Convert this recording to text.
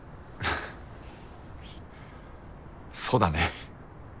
そうだね。